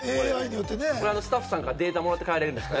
これスタッフさんからデータもらえるんですか？